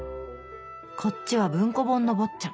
こっちは文庫本の「坊っちゃん」。